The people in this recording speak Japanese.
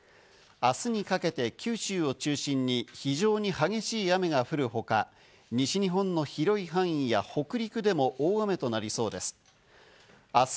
明日にかけて九州を中心に非常に激しい雨が降るほか、西日本の広い範囲や北陸でも大雨となりそうです。